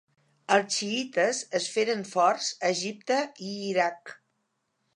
Els xiïtes es feren forts a Egipte i Iraq.